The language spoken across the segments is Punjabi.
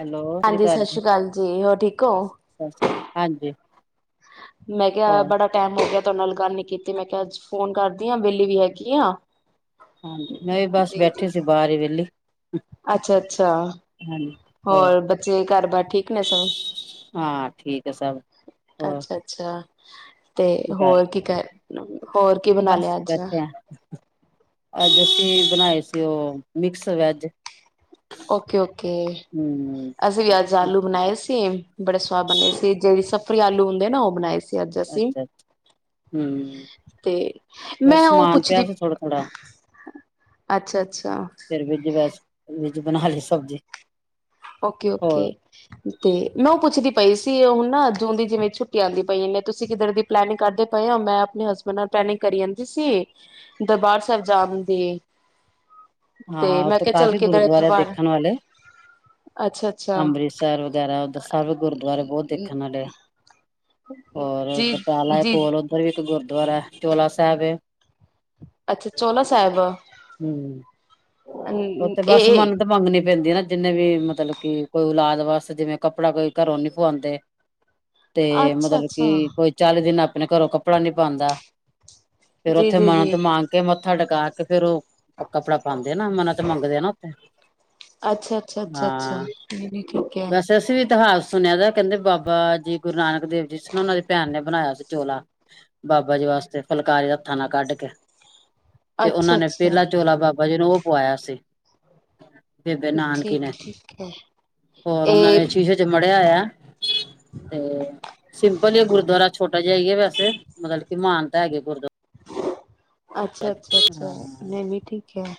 ਹੈਲੋ ਸਤਿ ਸ਼੍ਰੀ ਹਾਂਜੀ ਅਕਾਲ ਜੀ ਜੀ ਹੋਰ ਠੀਕ ਹੋ ਹਾਂਜੀ ਮੈਂ ਕਿਹਾ ਹੋਰ ਬੜਾ ਟਾਈਮ ਲੱਗਿਆ ਤੁਹਾ ਨਾਲ ਗੱਲ ਨੀ ਕੀਤੀ ਮੈਂ ਕਿਹਾ ਅੱਜ ਫੋਨ ਕਰਦੀ ਹਾਂ ਵਿੇਲੀ ਵੀ ਹੈਗੀ ਆ ਹਾਂਜੀ ਮੈਂ ਵੀ ਬਸ ਜੀ ਬੈਠੀ ਜੀ ਸੀ ਬਾਹਰ ਹੀ ਵਿਹਲੀ ਅੱਛਾ ਅੱਛਾ ਹੋਰ ਬੱਚੇ ਘਰ ਬਾਹਰ ਠੀਕ ਨੇ ਸਗ ਹਾਂ ਠੀਕ ਹੈ ਸਭ ਹੋਰ ਅੱਛਾ ਅੱਛਾ ਹ ਤੇ ਕੀ ਕਰ ਹੋਰ ਰਹੇ? ਕੀ ਕਰ ਹ [unintelligible] ਹੋਰ ਕੀ ਬਣਾ ਲਿਆ ਬਸ ਅੱਜ ਬੈਠੇ ਆ ਅੱਜ ਅਸੀਂ ਬਣਾਏ ਸੀ ਉਹ ਮਿਕਸ ਵੈਜ ਓਕੇ -ਓਕੇ ਹਮ ਅਸੀਂ ਵੀ ਅੱਜ ਆਲੂ ਬਣਾਏ ਸੀ। ਬੜੇ ਸਵਾਦ ਬਣੇ ਸੀ ਜਿਹੜੀ ਸ ਫਰਿਆਲੂ ਹੁੰਦੇ ਨਾ ਉਹ ਬਣਾਏ ਸੀ। ਤੇ ਅੱਜ ਅਸੀ ਅੱਛਾ ਹਮ ਤੇ ਬਸ ਮੈਂ ਉਹ ਸਮਾਨ ਪਿਆ ਪੁੱਛਦੀ, ਸੀ ਥੋੜਾ ਥੋੜਾ ਅੱਛਾ -ਅੱਛਾ। ਵੀਜ ਬਣਾ ਲਈ ਸਬਜ਼ੀ ਓਕੇ -ਓਕੇ, ਹੋਰ ਤੇ ਮੈਂ ਉਹ ਪੁੱਛਦੀ ਪਈ ਸੀ ਉਹਣ ਨਾ ਜੂ ਦੀ ਜਿਵੇਂ ਛੁੱਟੀ ਆਉਂਦੀ ਪਈ ਤੁਸੀਂ ਕਿਧਰ ਦੀ ਪਲੈਨਿੰਗ ਕਰਦੇ ਪਏ ਹੋ। ਮੈਂ ਆਪਣੇ ਹਸਬੈਂਡ ਨਾਲ ਪਲੈਨਿੰਗ ਕਰੀ ਜਾਂਦੀ ਸੀ। ਦਰਬਾਰ ਸਾਹਿਬ ਜਾਣ ਦੀ ਤੇ ਹਾਂ, ਮੈਂ ਉੱਥੇ ਕਿਹਾ ਚੱਲ ਕਾਫ਼ੀ ਕਿਧਰ ਗੁਰਦੁਆਰੇ ਦਰਬਾਰ ਦੇਖਣ ਵਾਲੇ ਅੱਛਾ ਅੱਛਾ ਅੰਮ੍ਰਿਤਸਰ ਵਗੈਰਾ ਉਧਰ ਸਭ ਗੁਰਦੁਆਰੇ ਬਹੁਤ ਦੇਖਣ ਵਾਲੇ ਆ ਹੋਰ ਜੀ ਬਟਾਲਾ ਜੀ ਕੋਲ ਉੱਧਰ ਵੀ ਇੱਕ ਗੁਰਦੁਆਰਾ ਚੋਲਾ ਸਾਹਿਬ ਏ। ਅੱਛਾ! ਚੋਲਾ ਸਾਹਿਬ ਅ। ਉਹ ਤੇ ਬਸ ਮੰਨਤ ਮੰਗਣੀ ਪੈਂਦੀ ਨਾ ਜਿੰਨੇ ਵੀ ਮਤਲਬ ਕਿ ਕੋਈ ਔਲਾਦ ਵਾਸਤੇ, ਜਿਵੇਂ ਕੱਪੜਾ ਕੋਈ ਘਰੋਂ ਨੀ ਪੁਆਂਦੇ ਤੇ ਅੱਛਾ ਮਤਲਬ ਅੱਛਾ ਕੀ ਕੋਈ ਚਾਲੀ ਦਿਨ ਆਪਣੇ ਘਰੋਂ ਕੱਪੜਾ ਨੀ ਪਾਉਂਦਾ ਫੇਰ ਜੀ ਉੱਥੇ ਜੀ ਜੀ ਮੰਨਤ ਮੰਗ ਕੇ ਮੱਥਾ ਟਕਾ ਤੇ ਫ਼ੇਰ ਉਹ ਕੱਪੜਾ ਪਾਉਂਦੇ ਨਾ ਮ ਨਾ ਤੇ ਅੱਛਾ -ਅੱਛਾ -ਅੱਛਾ -ਅੱਛਾ ਵੀ ਠੀਕ ਹੈ ਵੈਸੇ ਅਸੀਂ ਵੀ ਇਤਿਹਾਸ ਸੁਣਿਆ ਦਾ ਕਹਿੰਦੇ ਬਾਬਾ ਜੀ ਗੁਰੂ ਨਾਨਕ ਦੇਵ ਜੀ ਸੀ ਨਾ ਉਹਨਾਂ ਦੀ ਭੈਣ ਨੇ ਬਣਾਇਆ ਸੀ ਚੋਲਾ ਬਾਬਾ ਜੀ ਵਾਸਤੇ ਫੁਲਕਾਰੀ ਦਾ ਹਥਾ ਨਾਲ ਕੱਢ ਕੇ ਤੇ ਅੱਛਾ ਉਹਨਾਂ ਨੇ ਅੱਛਾ ਪਹਿਲਾ ਚੋਲਾ ਬਾਬਾ ਜੀ ਨੂੰ ਉਹ ਪਾਇਆ ਸੀ [inaudible] ਬੇਬੇ ਨਾਨਕੀ ਠੀਕ ਨੇ, ਠੀਕ ਹੈ ਹੋਰ ਉਹਨਾਂ ਨੇ ਇਹ ਸ਼ੀਸ਼ੇ ਚ ਮੜਿਆ ਹੋਇਆ। ਤੇ ਸਿੰਪਲ ਹੀ ਗੁਰਦੁਆਰਾ ਛੋਟਾ ਜਿਹਾ ਜਾਈਏ ਵੈਸੇ, ਮਤਲਬ ਕੀ ਮਹਾਨਤਾ ਹੈਗੀ ਗੁਰਦੁਆਰਾ ਅੱਛਾ ਅੱਛਾ ਹ ਅੱਛਾ ਨਹੀਂ ਨਹੀਂ ਠੀਕ ਹੈ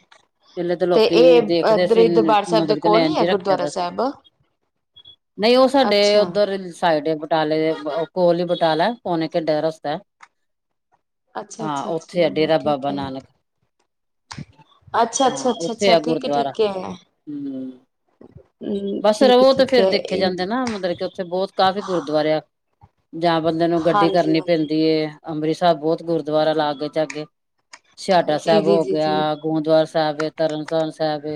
ਪਹਿਲੇ ਤਾਂ ਤੇ ਲੋਕੀ ਇਹ ਦੇਖਦੇ ਇੱਧਰ ਸੀ ਹੀ ਦਰਬਾਰ ਸਾਹਿਬ ਦੇ ਮਤਲਬ ਕਿ ਕੋਲ ਹੀ ਨੈਨ ਹੈ ਜੀ ਰੱਖਿਆ ਗੁਰਦੁਆਰਾ ਦਾ ਸੀ ਸਾਹਿਬ। ਨਹੀਂ ਉਹ ਸਾਡੇ ਅੱਛਾ, ਉੱਧਰ ਸਾਈਡ ਬਟਾਲੇ ਦੇ, ਕੋਲ ਹੀ ਬਟਾਲਾ ਹੈ। ਪੌਣੇ ਘੰਟੇ ਦਾ ਰਸਤਾ ਹੈ। ਅੱਛਾ- ਅੱਛਾ- ਅੱਛਾ ਠੀਕ ਬਾਬਾ ਹੈ। ਨਾਨਕ ਅੱਛਾ, ਅੱਛਾ, ਹਾਂ ਅੱਛਾ, ਉੱਥੇ ਅੱਛਾ ਆ ਠੀਕ ਹੈ, ਗੁਰਦੁਆਰਾ। ਠੀਕ ਹੈ। ਹਮ ਹੂੰ, ਬਸ ਠੀਕ ਹੈ, ਰਵੋ ਤਾਂ ਠੀਕ ਫੇਰ ਹੈ। ਦੇਖੇ ਜਾਂਦੇ ਨਾ ਮਤਲਬ ਕਿ ਉੱਥੇ ਬਹੁਤ ਕਾਫ਼ੀ ਗੁਰਦੁਆਰੇ ਆ ਜਾਂ ਬੰਦੇ ਨੂੰ ਗੱਡੀ ਹਾਂਜੀ, ਕਰਨੀ ਹਾਂਜੀ, ਪੈਂਦੀ ਅੰਮ੍ਰਿਤਸਰਬ ਬਹੁਤ ਗੁਰਦੁਆਰਾ ਲਾਗੇ ਜਾਗੇ ਡਾ ਜੀ, ਸਾਹਿਬ ਜੀ, ਹੋ ਜੀ, ਗਿਆ ਜੀ। ਗੁਰਦੁਆਰਾ ਸਾਹਿਬ ਤਰਨ ਸੋਨ ਸਾਹਿਬ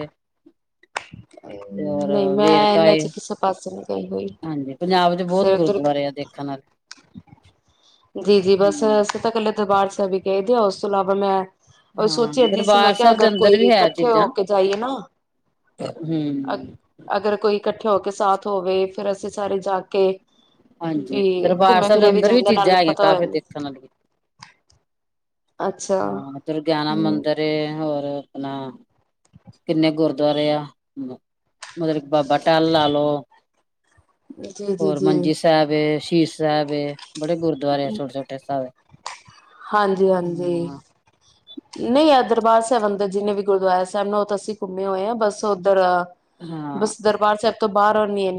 ਹ ਤੇ [unintelligible] ਔਰ ਨਹੀਂ ਮੈਂ ਵੇਰਕਾ ਇਹਨਾਂ ਏ ਚ ਕਿਸੇ ਪਾਸੇ ਨੂੰ ਗਈ ਹੋਈ ਹਾਂਜੀ ਪੰਜਾਬ ਚ ਬਹੁਤ ਫਿਰ ਉਧਰ ਗੁਰਦੁਆਰੇ ਆ ਦੇਖਣ ਆਲੇ ਜੀ ਜੀ ਬਸ ਹੂੰ ਅਸੀਂ ਤਾਂ ਇਕੱਲੇ ਦਰਬਾਰ ਚ ਵੀ ਇਹਦੇ ਤੋਂ ਇਲਾਵਾ ਮੈਂ ਉਹ ਹਾਂ ਸੋਚਿਆ ਜਾਂਦੀ ਸੀ ਮੈਂ ਦਰਬਾਰ ਕਿਹਾ ਸਾਹਿਬ ਦੇ ਅਗਰ ਕੋਈ ਅੰਦਰ ਵੀ ਹੈ ਇਕੱਠੇ ਚੀਜ਼ਾਂ ਹੋ ਕੇ ਜਾਈਏ ਨਾ ਹੂੰ ਅ ਅਗਰ ਕੋਈ ਇਕੱਠੇ ਹੋ ਕੇ ਸਾਥ ਹੋਵੇ ਫਿਰ ਅਸੀਂ ਸਾਰੇ ਜਾ ਕੇ ਹਾਂਜੀ ਵੀ ਦਰਬਾਰ ਘੁੰਮੇ ਸਾਹਿਬ ਫਿਰੇ ਅੰਦਰ ਵੀ ਜਾਂਦੇ ਨਾਲ ਚੀਜ਼ਾਂ ਹੈਗੀਆਂ ਪਤਾ ਹੋ ਕਾਫ਼ੀ ਜਾਂਦਾ। ਦੇਖਣ ਲ ਅੱਛਾ ਹਾਂ ਦੁਰਗਿਆਨਾ ਹੂੰ ਮੰਦਿਰ ਹੋਰ ਅਪਣਾ ਕਿੰਨੇ ਗੁਰ ਗੁਰਦੁਆਰੇ ਮਤਲਬ ਬਾਬਾ ਟੱਲ ਲਾ ਲਓ ਜੀ ਜੀ ਹੋਰ ਜੀ ਮੰਜੀ ਸਾਹਿਬ ਸਾਹਿਬ ਏ ਬੜੇ ਗੁਰਦੁਆਰੇ ਛੋਟੇ ਛੋਟੇ ਹਿਸਾਬ ਹੈ ਹਾਂਜੀ ਹਾਂ ਹਾਂਜੀ ਨਹੀਂ ਅਦ ਦਰਬਾਰ ਸਾਹਿਬ ਜਿੰਨੇ ਵੀ ਗੁਰਦੁਆਰਾ ਸਾਹਿਬ ਉ ਅਸੀਂ ਘੁੰਮੇ ਹੋਏ ਆਾਂ ਬਸ ਉੱਧਰ ਹਾਂ ਬਸ ਦਰਬਾਰ ਸਾਹਿ ਤੋਂ ਬਾਹਰ ਨੀ ਇਹੇ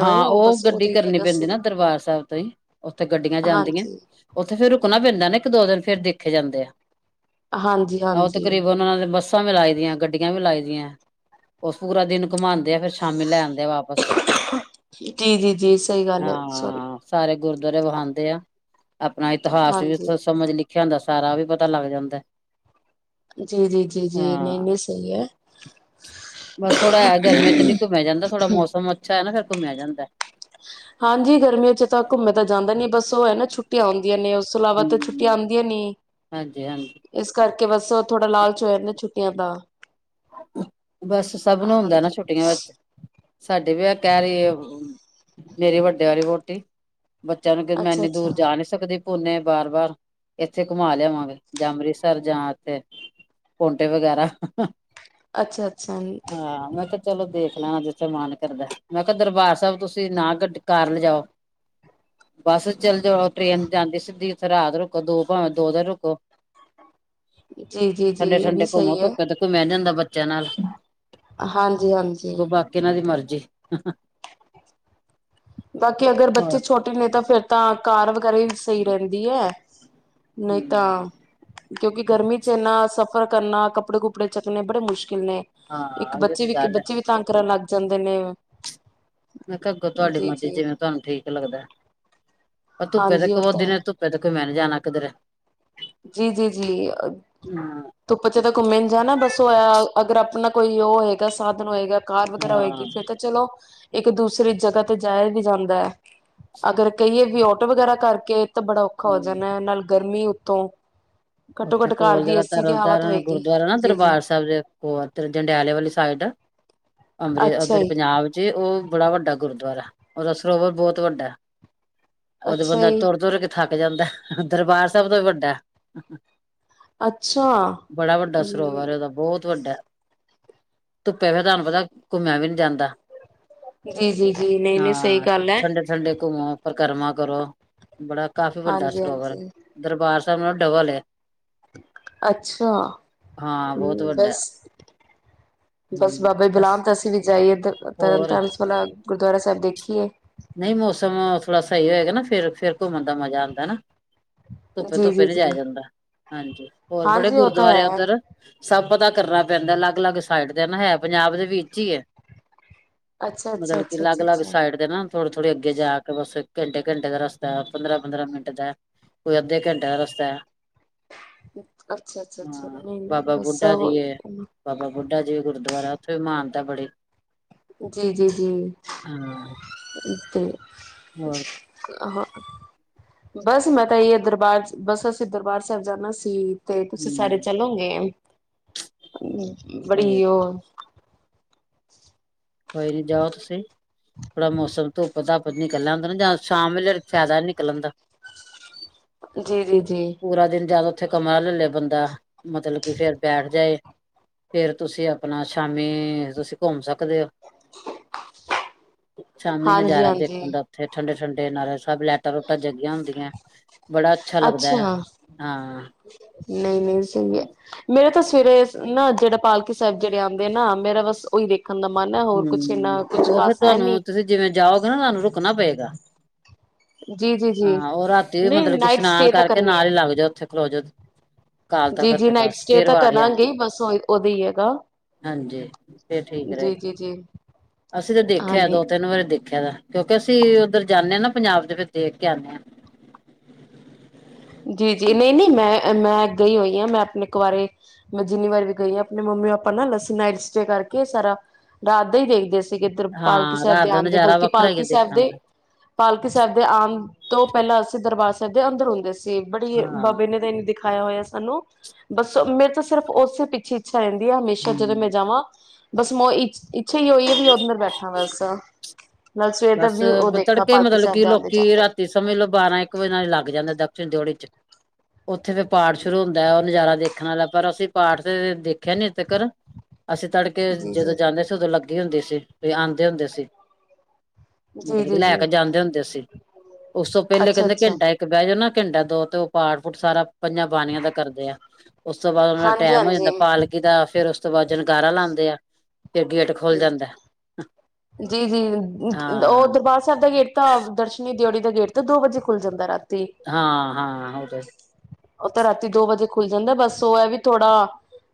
ਹਾਂ ਉਹ ਗੱਡੀ ਕਰਨੀ ਪੈਂਦੀ ਨਾ ਦਰਬਾਰ ਸਾਹਿਬ ਤੋਂ ਹੀ ਉੱਥੇ ਗੱਡੀਆਂ ਜਾਂਦੀਆਂ ਹਾਂਜੀ। ਉੱਥੇ ਫੇਿਰ ਰੁਕਣਾ ਪੈਂਦਾ ਦਾ ਨਾ ਇੱਕ ਦੋ ਦਿਨ ਫੇਰ ਦੇਖੇ ਜਾਂਦੇ ਆ ਹਾਂਜੀ ਆਹ ਹਾਂਜੀ ਤਕਰੀਬਨ ਉਹਨਾਂ ਦੇ ਬੱਸ ਬੱਸਾਂ ਵੀ ਲਾਈ ਦੀਆਂ ਗੱਡੀਆਂ ਵੀ ਲਾਈ ਦੀਆਂ ਉਸ ਪੂਰਾ ਦਿਨ ਘੁਮਾਦੇ ਆ ਫੇਰ ਸ਼ਾਮੀ ਲੈ ਆਂਦੇ ਤੇ ਵਾਪਸ ਜੀ ਜੀ ਜੀ ਸਹੀ ਗੱਲ ਹੈ ਸੋਰੀ ਹਾਂ ਸਾਰੇ ਗੁਰਦੁਆਰੇ ਵਖਾਂਉਂਦੇ ਆ ਆਪਣਾ ਇਤਿਹਾਸ ਵੀ ਹਾਂਜੀ। ਸਮਝ ਲਿਖਿਆ ਹੁੰਦਾ ਸਾਰਾ ਵੀ ਪਤਾ ਲੱਗ ਜਾਂਦਾ ਜੀ ਜੀ ਜੀ ਜੀ ਨਹੀਂ ਹਾਂ ਨਹੀਂ ਸਹੀ ਹੈ। ਬਸ ਥੋੜਾ ਹੈ ਗਰਮੀਆਂ ਚ ਨੀ ਘੁੰਮਿਆ ਜਾਂਦਾ ਥੋੜਾ ਮੌਸਮ ਅੱਛਾ ਹੈ ਨਾ ਫਿਰ ਘੁੰਮਿਆ ਜਾਂਦਾ ਹੈ। ਹਾਂਜੀ ਗਰਮੀਆਂ ਚ ਤਾਂ ਘੁੰਮੇ ਤਾਂ ਜਾਂਦਾ ਨੀ ਬਸ ਸਭ ਤੋਂ ਪਹਿਲਾਂ ਛੁੱਟੀਆਂ ਨੇ ਉਸ ਤੋਂ ਇਲਾਵਾ ਤਾਂ ਛੁੱਟੀਆਂ ਹਮ ਆਦੀਆਂ ਨੀ ਹਾਂਜੀ ਹਾਂਜੀ ਇਸ ਕਰਕੇ ਕੇ ਬਸ ਉਹ ਥੋੜਾ ਲਾਲਚ ਹੋਇਆ ਨੇ ਛੁੱਟੀਆਂ ਦਾ ਬਸ ਸਭ ਨੂੰ ਹੁੰਦਾ ਨਾ ਹਾਂਜੀ ਛੁੱਟੀਆਂ ਵਿੱਚ ਸਾਡੀ ਵੀ ਕਹਿ ਰਹੀ ਮੇਰੀ ਵੱਡੇ ਵਾਲੀ ਵਹੁਟੀ ਬੱਚਿਆਂ ਨੂੰ ਕਿ ਮੈਂ ਅੱਛਾ ਇੰਨੀ ਦੂਰ ਅੱਛਾ ਜਾ ਨਹੀਂ ਸਕਦੀ। ਪੁੰਨੇ ਬਾਰ ਬਾਰ ਇੱਥੇ ਘੁੰਮਾ ਲਿਆਵਾਂਗੇ ਜਾਂ ਅੰਮ੍ਰਿਤਸਰ ਜਾਂ ਇੱਥੇ ਪੋਂਡੇ ਵਗੈਰਾ। ਅੱਛਾ ਅੱਛਾ ਆਹ ਮੈਂ ਕਿਹਾ ਚਲੋ ਦੇਖ ਲੈਣਾ ਜਿੱਥੇ ਮਨ ਕਰਦਾ ਮੈਂ ਕਿਹਾ ਦਰਬਾਰ ਸਾਹਿਬ ਤੁਸੀਂ ਨਾ ਗੱਡੀ ਕਾਰ ਲਿਜਓ ਬੱਸ ਚਲੇ ਜਾਓ ਟ੍ਰੇਨ ਜਾਂਦੀ ਸਿੱਧੀ ਉਥੇ ਰਾਤ ਰੁਕੋ ਦੋ ਭਾਵੇਂ ਦੋ ਦਿਨ ਰੁਕੋ ਜੀ ਜੀ ਜੀ ਸੰਡੇ ਇਹ ਵੀ ਸੰਡੇ ਘੁੰਮੋ ਸਹੀ ਹੈ ਧੁੱਪੇ ਦੇਖੋ ਮੈਂ ਨਹੀਂ ਜਾਦਾ। ਬੱਚਿਆਂ ਨਾਲ ਹਾਂਜੀ ਹਾਂਜੀ। ਜੀ ਬਾਕੀ ਅਗਰ ਬੱਚੇ ਛੋਟੇ ਨੇ ਤਾਂ ਫੇਰ ਤਾਂ ਕਾਰ ਵਗ਼ੈਰਾ ਹੀ ਸਹੀ ਰਹਿੰਦੀ ਹੈ। ਨਹੀਂ ਤਾਂ ਕਿਉਂਕਿ ਗਰਮੀ ਚ ਨਾ ਸਫਰ ਕਰਨਾ ਕੱਪੜੇ ਕੁਪੜੇ ਚੱਕਣੇ ਬੜੇ ਮੁਸ਼ਕਿਲ ਕਿੰਨੇ ਇੱਕ ਇਹ ਬੱਚੇ ਤੇ ਵੀ ਗੱਲ ਹੈ ਬੱਚੇ ਵੀ ਤੰਗ ਲੱਗ ਜਾਂਦੇ ਨੇ। ਮੈ ਕਿਹਾ ਅੱਗੋ ਜੀ ਤੁਹਾਡੇ ਜੀ ਜਿਵੇਂ ਤੁਹਾਨੂੰ ਠੀਕ ਲੱਗਦਾ ਪਰ ਧੁੱਪੇ ਤੇ ਹਾਂਜੀ ਕ ਉਹ ਤਾਂ ਬੋਦੀ ਹੈ ਨੇ ਧੁੱਪੇ ਤੇ ਮੈਂ ਨ ਨਹੀਂ ਜਾਣਾ ਕਿੱਧਰ ਜੀ ਜੀ ਜੀ ਹਾਂ ਧੁੱਪਾ ਚ ਤਾਂ ਘੁੰਮੇ ਨ ਜਾਣਾ ਬਸ ਉਹਇਆ ਅਗਰ ਆਪਣਾ ਕੋਈ ਉਹ ਹੋਏਗਾ ਸਾਧਨ ਹੋਏਗਾ ਕਾਰ ਵਗੈਰਾ ਹਾਂ ਹੋਏਗੀ ਫੇਰ ਤਾਂ ਚਲੋ ਇੱਕ ਦੂਸਰੀ ਜਗ੍ਹਾ ਤੇ ਜਾਇਆ ਵੀ ਜਾਂਦਾ ਹੈ ਅਗਰ ਕਹੀਏ ਵੀ ਆਟੋ ਵਗੈਰਾ ਕਰਕੇ ਤਾਂ ਬੜਾ ਔਖਾ ਹੋ ਜਾਂ ਜਾਣਾ ਨਾਲ ਗਰਮੀ ਉਤੋਂ ਉੱਥੇ ਕੋਲ ਜਿਹੜਾ ਤਰਨ ਤਾਰਨ ਗੁਰਦੁਆਰਾ ਨਾ ਜੀ ਜੀ ਦਰਬਾਰ ਸਾਹਿਬ ਦੇ ਕੋਲ ਜੰਡਿਆਲੇ ਵਾਲੀ ਸਾਈਡ ਅੰਮ੍ਰਿ ਅੱਛਾ ਉਧਰ ਜੀ ਪੰਜਾਬ ਚ ਉਹ ਬੜਾ ਵੱਡਾ ਗੁਰਦੁਆਰਾ ਹੈ ਔਦਾ ਸਰੋਵਰ ਬਹੁਤ ਵੱਡਾ ਹੈ ਅੱਛਾ ਜੀ [unintelligible] ਥੱਕ ਜਾਂਦਾ ਦਰਬਾਰ ਸਾਬ ਤੋਂ ਵੱਡਾ ਅੱਛਾ ਬੜਾ ਵੱਡਾ ਸਰੋਵਰ ਦਾ ਬਹੁਤ ਵੱਡਾ ਧੁੱਪੇ ਫਿਰ ਤੁਹਾਨੂੰ ਪਤਾ ਘੁੰਮਿਆ ਵੀ ਨਹੀਂੀ ਜਾਂਦਾ ਜੀ ਜੀ ਜੀ ਨਹੀਂ ਨਹੀਂ ਸਹੀ ਹਾਂ ਗੱਲ ਹੈ ਠੰਡੇ ਠੰਡੇ ਘੁੰਮੋ ਪਰਿਕਰਮਾ ਕਰੋ ਬੜਾ ਕਾਫ਼ੀ ਵੱਡਾ ਹਾਂਜੀ ਸਰੋਵਰ ਹਾਂਜੀ ਦਰਬਾਰ [unintelligible] ਡਬਲ ਹੈ ਅੱਛਾ ਹਾਂ ਬਹੁਤ ਹਮ ਵੱਡਾ ਬਸ ਬਸ ਹੂੰ ਬਾਬਾ ਬਸ ਬੁਲਾਮ ਤਾਂ ਅਸੀਂ ਵੀ ਜਾਈਏ ਹੋਰ ਤਰਨਤਾਰਨਸ ਵਾਲ ਗੁਰਦੁਆਰਾ ਸਭ ਦੇਖੀਏ ਨਹੀਂ ਮੌਸਮ ਥੋੜ੍ਹਾ ਸਹੀ ਹੋਏਗਾ ਨਾ ਫਿਰ ਫਿਰ ਘੁੰਮਣ ਦਾ ਮਜ਼ਾ ਆਉਂਦਾ ਨਾ ਧੁੱਪੇ ਜੀ ਜੀ ਧੁੱਪੇ ਨਿ ਜੀ ਜਾਾਇਆ ਜਾਂਦਾ ਹਾਂਜੀ ਹੋਰ ਬੜੇ ਹਾਂਜੀ ਉਹ ਤਾਂ ਗੁਰਦੁਆਰੇ ਹੈ ਉੱਧਰ ਸਭ ਪਤਾ ਕਰਨਾ ਪੈਂਦਾ ਅਲੱਗ ਅਲੱਗ ਸਾਈਡ ਦਾ ਨਾ ਹੈ ਪੰਜਾਬ ਦੇ ਵਿੱਚ ਹੀ ਹੈ ਅੱਛਾ ਅੱਛਾ ਮਤਲਬ ਕੀ ਅੱਛਾ ਅੱਛਾ ਅਲੱਗ ਅਲੱਗ ਅੱਛਾ ਸਾਈਡ ਦੇ ਨਾ ਥੋੜੀ ਅੱਗੇ ਜਾ ਕੇ ਬਸ ਘੰਟੇ ਘੰਟੇ ਦਾ ਰਸਤਾ ਪੰਦਰਾਂ ਪੰਦਰਾਂ ਮਿੰਟ ਦਾ ਕੋਈ ਅੱਧੇ ਘੰਟੇ ਦਾ ਰਸਤਾ ਅੱਛਾ ਅੱਛਾ ਅੱਛਾ ਹਾਂ ਨਹੀਂ ਨਹੀਂ ਬਾਬਾ ਬਸ ਬੁੱਢਾ ਦੀ ਬਾਬਾ ਬੁੱਢਾ ਜੀ ਗੁਰਦੁਆਰਾ ਉਥੇ ਮਾਨਤਾ ਬੜੀ ਜੀ ਜੀ ਜੀ ਹਾਂ [unintelligible] ਹੋਰ ਹਾਂ ਬਸ ਮੈਂ ਤਾਂ ਇਹ ਦਰਬਾਰ ਬਸ ਅਸੀਂ ਦਰਬਾਰ ਸਾਹਿਬ ਜਾਣਾ ਸੀ ਤੇ ਤੁਸੀਂ ਸਾਰੇ ਹੂੰ ਚਲੋਗੇ ਸਹੀ ਬੜੀ ਉਹ [inaudible] ਕੋਈ ਨੀ ਜਾਓ ਤੁਸੀਂ ਥੋੜਾ ਮੌਸਮ ਧੁੱਪ ਧੁੱਪ ਨੀਿਕਲਾ ਹੁੰਦਾ ਜਾਂ ਸ਼ਾਮ ਵੇਲੇ ਫਾਇਦਾ ਹੀ ਨਿਕਲਣ ਦਾ ਜੀ ਜੀ ਪੂਰਾ ਦਿਨ ਜਿਆਦਾ ਉੱਥੇ ਕਮਰਾ ਲੈ ਲਿਆ ਬੰਦਾ ਮਤਲਬ ਕਿ ਫਿਰ ਬੈਠ ਜਾਏ ਫਿਰ ਤੁਸੀਂ ਆਪਣਾ ਸ਼ਾਮੀ ਤੁਸੀਂ ਘੁੰਮ ਸਕਦੇ ਹੋ ਸ਼ਾਮੀ ਹਾਂਜੀ ਨਜ਼ਾਰਾ ਹਾਂਜੀ ਦੇਖਣ ਦਾ ਉੱਥੇ ਠੰਡੇ ਠੰਡੇ ਨਾਲ ਸਭ ਲੈਟਾਂ ਲੋਟਾਂ ਜੱਗੀਆਂ ਹੁੰਦੀਆਂ ਬੜਾ ਅੱਛਾ ਲੱਗਦਾ ਹੈ ਹਾਂ ਨਹੀਂ ਨਹੀਂ ਸਹੀ ਹੈ ਹਮ ਮੇਰਾ ਤਾਂ ਸ- ਸਵੇਰੇ ਨਾ ਜਿਹੜਾ ਪਾਲਕੀ ਸਾਹਿਬ ਜਿਹੜੇ ਆਂਦੇ ਆ ਨਾ ਮੇਰਾ ਬਸ ਉਹੀ ਦੇਖ- ਹਮ ਉਹ ਫ਼ਿਰ ਹੈ ਨੀ ਤੁਹਾਨੂੰ ਤੁਸੀਂ ਜਿਵੇਂ ਜਾਓਗੇ ਨਾ ਤੁਹਾਨੂੰ ਰੁ- ਰੁਕਣਾ ਪਏਗਾ। ਜੀ ਜੀ ਜੀ ਹਾਂ ਉਹ ਰਾਤੀ ਵੀ ਨਹੀਂ ਮਤਲਬ ਕਿ ਨਾਈਟ ਇਸ਼ਨਾਨ ਸਟੇ ਤਾਂ ਕਰਕੇ ਕਰਨੀ ਨਾਲ ਹੈ ਹੀ ਲੱਗ ਜਾਓ ਉੱਥੇ ਖਲੋਜੋ ਕਾਲ ਜੀ ਤਖਤ ਜੀ ਦੇ ਨਾਈਟ ਪਾਸ ਸਟੇ ਫਿਰ ਤਾਂ ਵਾਰੀ ਆਂਦੀ ਕਰਾਂਗੇ ਬਸ ਉਹਦਾ ਹੀ ਹੈਗਾ ਹਾਂਜੀ ਫਿਰ ਠੀਕ ਰਹੇ- ਜੀ ਜੀ ਜੀ ਅਸੀਂ ਤਾਂ ਦੇਖਿਆ ਹਾਂਜੀ ਦੋ ਤਿੰਨ ਵਾਰੀ ਦੇਖਿਆ ਦਾ- ਕਿਉਂਕਿ ਅਸੀਂ ਉੱਧਰ ਜਾਂਨੇ ਆ ਨਾ ਪੰਜਾਬ ਦੇ ਵਿੱਚ ਦੇਖ ਕੇ ਆਉਦੇ ਆ। ਜੀ ਜੀ ਨਹੀਂ ਨਹੀਂ ਮੈਂ- ਮੈਂ ਗਈ ਹੋਈ ਹਾਂ ਮੈਂ ਆਪਣੇ ਕਵਾਰੇ ਮੈਂ ਜਿੰਨੀ ਵਾਰ ਵੀ ਗਈ ਆ ਆਪਣੇ ਮੰਮੀ ਪਾਪਾ ਨਾ ਲੱਸੀ ਨਾਈਟ ਸਟੇ ਕਰਕੇ ਸਾਰਾ ਰਾਤ ਦਾ ਹੀ ਦੇਖਦੇ ਸੀ- ਸੀਗੇ ਇੱਧਰ ਪਾਲਕੀ ਹਾਂ ਸਾਹਿਬ ਰਾਤ ਦੇ ਦਾ ਆਮ ਦੇ ਨਜ਼ਾਰਾ ਬਲਕਿ ਵੱਖਰਾ ਹੀ ਪਾਲਕੀ ਹੈ ਸਾਹਿਬ ਦੇਖਣ ਦੇ ਦਾ। ਪਾਲਕੀ ਸਾਹਿਬ ਦੇ ਆਮ- ਤੋਂ ਪਹਿਲਾਂ ਅਸੀਂ ਦਰਬਾਰ ਸਾਹਿਬ ਦੇ ਅੰਦਰ ਆਉੁਦੇ ਸੀ- ਬੜੀ ਹਾਂ ਬਾਬੇ ਨੇ ਦਿਨ ਦਿਖ- ਦਿਖਾਇਆ ਹੋਇਆ ਸਾਨੂੰ, ਬਸ ਮੇਰੇ ਤਾਂ ਸਿਰਫ ਉਸੇ ਪਿੱਛੇ- ਰਹਿੰਦੀ ਹੈ ਹਮੇਸ਼ਾ ਜਦੋਂ ਮੈਂ ਹਮ। ਜਾਵਾਂ- ਬਸ ਮੋ ਇ ਇੱਛਾ ਹੀ ਉਹੀ ਹੈ ਵੀ ਓਨਰ ਬੈਠਾ ਹੋਇਆ ਬਸ- ਨਾਲ ਸਵੇਰ ਦਾ ਬਸ ਵਿਊ ਉਹ ਦੇਖਾ ਤੜਕੇ ਪਾਲਕੀ ਮਤਲਬ ਸਾਹਿਬ ਕਿ ਦੇ ਆਉਂਦੇ ਲੋਕੀ ਜਾਂਦੇ ਰਾਤੀ ਸਮੇਂ ਲੋ ਬਾਰਾਂ ਇੱਕ ਵਜੇ ਨਾਲ ਲੱਗ ਜਾਂਦੇ ਦ- ਦਰਸ਼ਨ ਡਿਊਡੀ ਚ, ਉੱਥੇ ਫੇਰ ਪਾਠ ਸ਼ੁਰੂ ਹੁੰਦਾ ਹੈ ਉਹ ਨਜ਼ਾਰਾ ਦੇਖਣ ਵਾਲਾ ਪਰ ਅਸੀਂ ਪਾਠ ਤੇ ਦੇਖਿਆ ਨੀ ਹਜੇ ਤੀਕਰ- ਅਸੀਂ ਤੜਕੇ ਜੀ ਜਦੋਂ ਜੀ ਜਾਂਦੇ ਸੀ ਉਦੋਂ ਲੱਗ- ਲੱਗੀ ਹੁੰਦੀ ਸੀ ਜਾਂ ਆਂਦੇ ਹੁੰਦੇ ਸੀ। ਜੀ ਮਤਲਬ ਕਿ ਜੀ ਲੈ ਜੀ ਕੇ ਜਾਂਦੇ ਹੁੰਦੇ ਸੀ, ਉਸ ਤੋਂ ਪਹਿਲੇ ਅੱਛਾ ਕਹਿੰਦੇ ਅੱਛਾ ਘੰਟਾ ਇੱਕ ਬਹਿ ਜਾਓ ਨਾ- ਘੰਟਾ ਦੋ ਤੇ ਉਹ ਪਾਠ ਪੂਠ ਸਾਰਾ ਪੰਜਾਂ ਬਾਣੀਆਂ ਦਾ ਕਰਦੇ ਆ। ਉਸ ਤੋਂ ਬਾਅਦ ਉਹਨਾਂ ਦਾ ਹਾਂਜੀ ਟਾਈਮ ਹੋ ਹਾਂਜੀ ਜਾਂਦਾ ਪਾਲਕੀ ਦਾ ਫ਼ੇਰ ਉਸ ਤੋਂ ਬਾਅਦ- ਜਨਕਾਰਾ ਲਾਂਦੇ ਆ- ਫਿਰ ਗੇਟ ਖੋਲ ਜਾਂਦਾ- ਜੀ ਜੀ ਉਹ ਹਾਂ ਦਰਬਾਰ ਸਾਹਿਬ ਦਾ ਗੇਟ- ਤਾਂ ਦਰਸ਼ਨੀ ਦਿਓੜੀ ਦਾ ਗੇਟ ਤੋਂ ਦੋ ਵਜੇ ਖੁੱਲ ਜਾਂਦਾ ਰਾਤ- ਹਾਂ ਹਾਂ [unintelligible] ਉਹ ਤਾਂ ਰਾਤੀ ਦੋ ਵਜੇ ਖੁੱਲ ਜਾਂਦਾ ਬਸ ਉਹ ਹੈ ਵੀ ਥੋੜਾ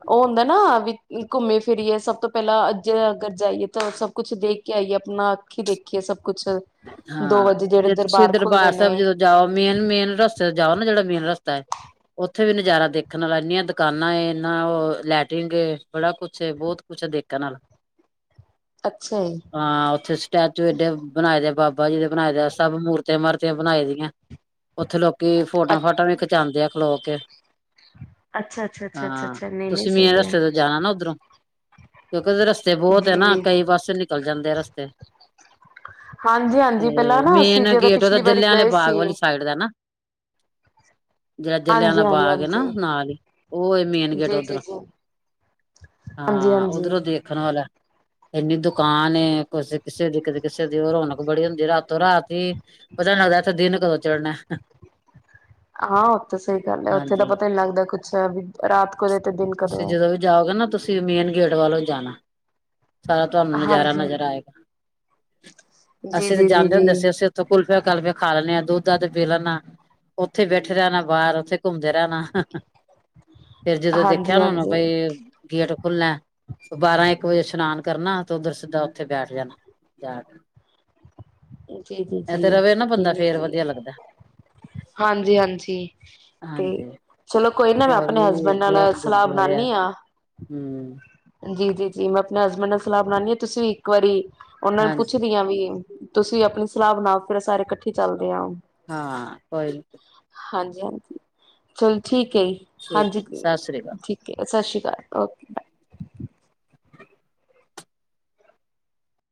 ਉਹ ਹੁੰਦਾ ਨਾ ਵੀ ਘੁੰਮੀ ਫਿਰੀਏ ਸਭ ਤੋਂ ਪਹਿਲਾਂ- ਜੇ ਅਗਰ ਜਾਈਏ ਤਾਂ ਸਭ ਕੁਛ ਦੇਖ ਕੇ ਆਈਏ ਆਪਣਾ ਅੱਖੀ ਦੇਖੀਏ ਸਭ- ਕੁਛ ਦੋ ਹਾਂ ਵਜੇ ਜਿਹੜੇ ਜੇ ਤੁਸੀਂ ਖੁੱਲਦੇ ਦਰਬਾਰ ਨੇ ਸਾਹਿਬ ਜਦੋਂ ਜਾਓ ਮੇਨ ਮੇਨ ਰਸਤੇ ਜਾਓ ਨਾ ਜਿਹੜਾ ਮੇਨ ਰਸ- ਤਾ ਉੱਥੇ ਵੀ ਨਜ਼ਾਰਾ ਦੇਖਣ ਵਾਲਾ ਇੰਨੀਆਂ ਦੁਕਾਨਾਂ ਇਨਾ ਉਹ ਲੈਟਰਿੰਗ ਏ ਬੜਾ ਕੁਛ ਬਹੁਤ ਕੁਛ ਦੇਖਣ ਆਲਾ- ਅੱਛਾ ਜੀ ਹਾਂ ਉੱਥੇ ਸਟੈਚੂ ਏਡੇ- ਬਾਬਾ ਜੀ ਦੇ ਬਣਾਏ ਦੇ ਆ ਸਭ ਮੂਰਤੀਆਂ ਮਾਰਤੀਆਂ ਬਨਾਈ ਦੀਐ ਉੱਥੇ ਲੋ ਤੇ ਫੋਟੋ ਅੱਛਾ ਫਾਟਆ ਵੀ ਖਿਚਾਂਦੇ ਆ ਖਲੋ ਕੇ। ਅੱਛਾ ਅੱਛਾ ਅੱਛਾ ਹਾਂ, ਅੱਛਾ ਨਹੀਂ ਨਹੀਂ ਤੁਸੀਂ ਵੀ ਏ ਸਹੀ ਹੈ ਰਸਤੇ ਤੋਂ ਜਾਨਾ ਨਾ ਉੱਧਰੋਂ, ਕਿਉਂਕਿ ਉਹਦੇ ਰਸਤੇ ਬਹੁਤ ਏ ਜੀ ਨਾ, ਜੀ ਕਈ ਪਾਸੇ ਨਿਕਲ ਜਾਂਦੇ ਆ ਰਸਤੇ। ਹਾਂਜੀ ਤੇ ਹਾਂਜੀ ਪਹਿਲਾਂ ਨਾ ਅਸੀਂ ਮੇਨ ਜਦੋਂ ਗੇਟ ਉਹਦਾ ਪਿਛਲੀ ਵਾਰੀ ਜਲਿਆਂਲੇ ਗਏ ਸੀ ਬਾਗ ਵਾਲੀ ਸਾਈਡ ਦੇ ਨਾਂ। ਜਿਹੇ ਜਲਿਆਂਲਾ ਹਾਂਜੀ ਹਾਂਜੀ ਬਾਗ ਏ ਨਾ ਹਾਂਜੀ ਨਾਲ ਈ, ਉਹ ਮੇਨ ਗੇਟ ਜੀ ਜੀ ਉਧਰੋਂ, ਜੀ ਹਾਂਜੀ ਹਾਂ, ਹਾਂਜੀ ਉਧਰੋਂ ਦੇਖਨ ਵਾਲਾ ਇੰਨੀ ਦੁਕਾਨ ਏ ਕੁਛ ਕਿਸੇ ਦੀ ਕਦੇ ਕਿਸੇ ਦੀ ਉਹ ਰੌਨਕ ਬੜੀ ਹੁੰਦੀ ਏ, ਰਾਤੋਂ ਰਾਤੀ ਪਤਾ ਈ ਨੀ ਲੱਗਦਾ, ਇੱਥੇ ਦਿਨ ਕਦੋਂ ਚੜ੍ਹਨੇ। ਹਾਂ, ਉੱਹ ਤੇ ਸਹੀ ਗੱਲ ਹੈ, ਉੱਥੇ ਤਾਂ ਪਤਾ ਈ ਨੀ ਲੱਗਦਾ ਕੁ ਅੱਛਾ [unintelligible] ਰਾਤ ਕਦੋਂ ਤੇ ਦਿਨ ਤੁਸੀਂ ਕਦੋਂ ਹੈ ਜਦੋਂ ਵੀ ਜਾਉਗੇ ਨਾ, ਤੁਸੀਂ ਮੇਨ ਗੇਟ ਵੱਲੋਂ ਜਾਨਾ। ਸਾਰਾ ਤੁਹਾਨੂੰ ਨਜ਼ਾਰਾ ਹਾਂਜੀ ਨਜ਼ਰ ਆਏਗਾ। ਜੀ ਅਸੀਂ ਤੇ ਜੀ ਜੀ ਜਾਂਦੇ ਜੀ ਹੁੰਦੇ ਸੀ, ਅਸੀਂ ਉੱਥੋਂ ਕੁਲਫੀਆ ਕਾਲਫੀਆ ਖਾ ਲੈਨੇ ਆ ਦੁੱਧ ਦਧ ਪੀ ਲੈਨਾ, ਉੱਥੇ ਬੈਠੇ ਰਹਿਨਾ ਬਾਰ ਉੱਥੇ ਘੁੰਮਦੇ ਰਹਿਨਾ ਫਿਰ ਜਦੋਂ ਦੇਖ ਹਾਂਜੀ ਕਹਿਨਾ ਹੋਨਾ ਹਾਂਜੀ ਬਈ ਗੇਟ ਖੁੱਲਨੇ ਬਾਰਾਂ ਇੱਕ ਵਜੇ ਇਸ਼ਨਾਨ ਕਰਨਾ, ਤੇ ਉੱਧਰ ਸਿੱਧਾ ਉੱਥੇ ਬੈਠ ਜਾਨਾ, ਜਾ ਕੇ। ਜੀ ਜੀ ਇਹ ਜੀ, ਤੇ ਰਵੇ ਨਾ ਬੰਦਾ ਠੀਕ ਫੇਰ ਏ, ਵਧੀਆ ਲੱਗਦਾ ਹਾਂਜੀ ਹਾਂਜੀ, ਤੇ ਹਾਂਜੀ ਚਲੋ ਕੋਈ ਨਾ ਮੈਂ ਹੋਰ ਆਪਨੇ ਵੀ ਹਸਬੈਂਡ ਨਾਲ ਬਹੁਤ ਸਲਾਹ ਗੁਰਦੁਆਰੇ ਬਨਾਨੀ ਆ [unintelligible] ਜੀ ਜੀ ਜੀ, ਮੈਂ ਅਪਨੇ ਹਸਬੈਂਡ ਨਾਲ ਸਲਾਹ ਬਨਾਨੀ ਆ ਤੁਸੀਂ ਵੀ ਇੱਕ ਵਾਰੀ ਉਹਨਾਂ ਨੂੰ ਹਾਂਜੀ ਪੁੱਛਦੀ ਆ ਵੀ ਤੁਸੀਂ ਅਪਨੀ ਸਲਾਹ ਬਣਾ ਫਿਰ ਸਾਰੇ ਕੱਠੇ ਚੱਲਦੇ ਆ, ਹਾਂ ਕੋਈ ਨੀ, ਹਾਂਜੀ। ਚੱਲ ਠੀਕ ਕੇ ਏ ਠੀਕ ਹਾਂਜੀ, ਹੈ ਸਤਿ ਸ੍ਰੀ ਅਕਾਲ ਠੀਕ ਏ, ਸਸ ਸ੍ਰੀ ਓਕੇ ਬਏ।